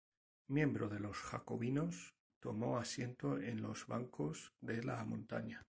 Miembro de los jacobinos, tomó asiento en los bancos de la Montaña.